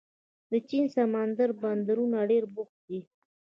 د چین سمندري بندرونه ډېر بوخت دي.